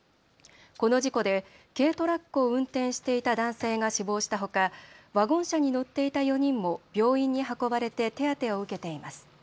この事故で軽トラックを運転していた男性が死亡したほかワゴン車に乗っていた４人も病院に運ばれて手当てを受けています。